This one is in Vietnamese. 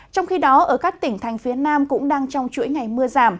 trong khi đó ở các tỉnh thành phía nam cũng đang trong chuỗi ngày mưa giảm